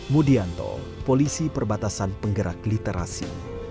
moody anto polisi perbatasan penggerak literasi